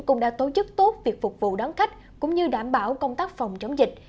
cũng đã tổ chức tốt việc phục vụ đón khách cũng như đảm bảo công tác phòng chống dịch